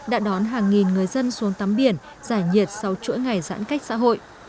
đã đón hàng nghìn người dân xuống tắm biển giải nhiệt sau chuỗi ngày giãn cách xã hội